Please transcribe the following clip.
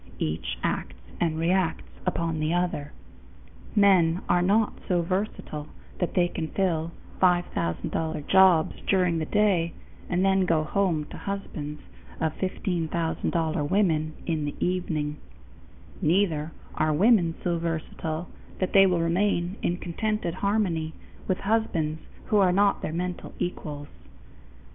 Each acts and reacts upon the other. Men are not so versatile that they can fill $5000 jobs during the day and then go home to become husbands of $1500 women in the evening. Neither are women so versatile that they will remain in contented harmony with husbands who are not their mental equals.